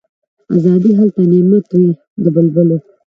آزادي هلته نعمت وي د بلبلو